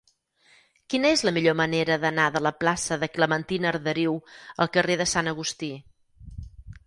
Quina és la millor manera d'anar de la plaça de Clementina Arderiu al carrer de Sant Agustí?